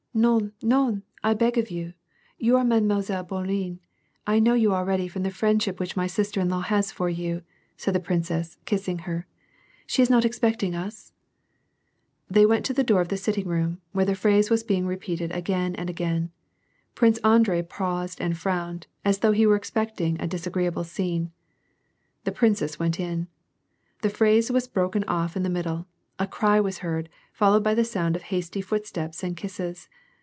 " NoTiy norij I beg of you ! You are Mile Bourienne ; I know you already from the friendship which my sister in law has for you," said the princess, kissing her; "she is not expect ing us ?" They went to the door of the sitting room, where the phrase was being repeated again and again. Prince Andrei pau;»ed and frowned, as though he were expecting a disagreeable scieiie. The princess went in. The phrase was broken off in the middle ; a cry was heard, followed by the sound of hasty foot steps and kisses.